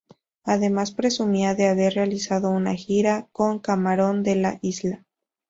Además presumía de haber realizado una gira con Camarón de la Isla.